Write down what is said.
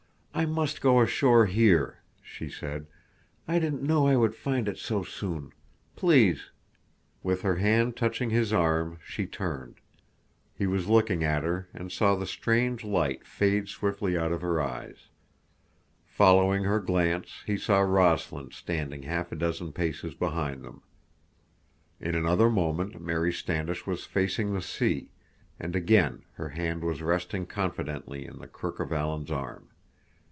"I must go ashore here," she said. "I didn't know I would find it so soon. Please—" With her hand touching his arm she turned. He was looking at her and saw the strange light fade swiftly out of her eyes. Following her glance he saw Rossland standing half a dozen paces behind them. In another moment Mary Standish was facing the sea, and again her hand was resting confidently in the crook of Alan's arm.